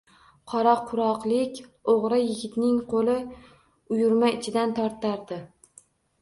Qoraquroqlik o‘g‘ri yigitning qo‘li uyurma ichidan tortardi.